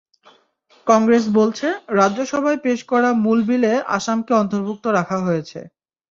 কংগ্রেস বলছে, রাজ্যসভায় পেশ করা মূল বিলে আসামকে অন্তর্ভুক্ত রাখা হয়েছে।